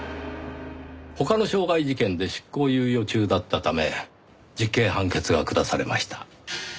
他の傷害事件で執行猶予中だったため実刑判決が下されました。